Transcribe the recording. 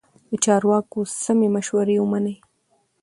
د چارواکو سمې مشورې ومنئ.